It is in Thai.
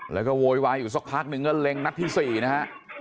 แล้วก็โวยวายอยู่สักพักนึงก็เล็งนัดที่๔นะฮะ